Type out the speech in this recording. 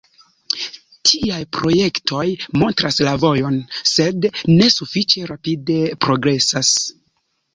Tiaj projektoj montras la vojon, sed ne sufiĉe rapide progresas.